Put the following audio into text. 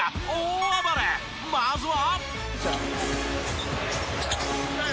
まずは。